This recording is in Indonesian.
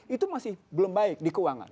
itu masih belum baik di keuangan